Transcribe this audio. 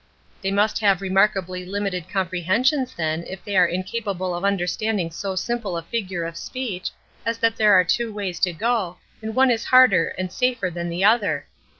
"They must have remarkably limited comprehensions then if they are incapable of understanding so simple a figure of speech, as that there are two ways to go, and one is harder and safer than the other.